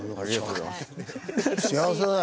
幸せだよ。